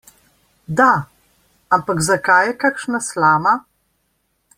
Da, ampak zakaj je kakšna slama?